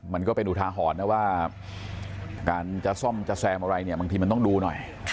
มันก็เป็นอุทาหรณ์ว่าการจะซ่อมจะแซมอะไรมันต้องดูหน่อย